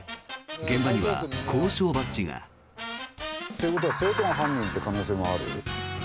現場には校章バッジが。っていうことは生徒が犯人って可能性もある？